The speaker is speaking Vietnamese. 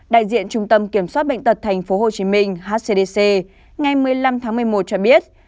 đại diện trung tâm kiểm soát bệnh tật tp hcm hcdc ngày một mươi năm tháng một mươi một cho biết